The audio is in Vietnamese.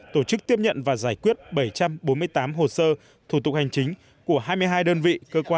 tổ chức tiếp nhận và giải quyết bảy trăm bốn mươi tám hồ sơ thủ tục hành chính của hai mươi hai đơn vị cơ quan